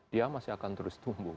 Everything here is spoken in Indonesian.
dia masih akan terus tumbuh